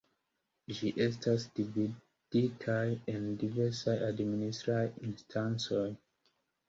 Ĝi estas dividitaj en diversaj administraj instancoj.